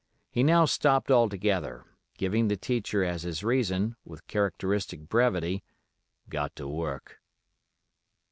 He now stopped altogether, giving the teacher as his reason, with characteristic brevity: "Got to work."